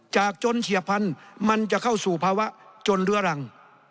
จนเฉียบพันธุ์มันจะเข้าสู่ภาวะจนเรื้อรัง